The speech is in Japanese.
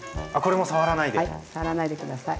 触らないで下さい。